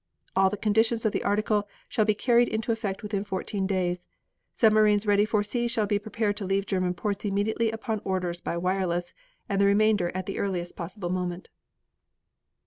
All the conditions of the article shall be carried into effect within fourteen days. Submarines ready for sea shall be prepared to leave German ports immediately upon orders by wireless, and the remainder at the earliest possible moment.